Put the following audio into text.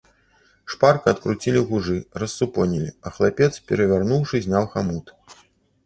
Шпарка адкруцілі гужы, рассупонілі, а хлапец, перавярнуўшы, зняў хамут.